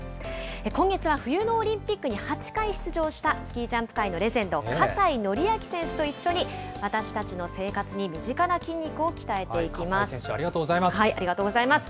今月は冬のオリンピックに８回出場したスキージャンプ界のレジェンド、葛西紀明選手と一緒に、私たちの生活に身近な筋肉を鍛えて葛西選手、ありがとうございありがとうございます。